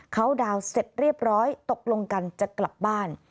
เขาดาวน์เสร็จเรียบร้อยตกลงกันจะกลับบ้าน